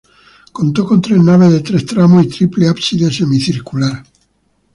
Contó con tres naves de tres tramos y triple ábside semicircular.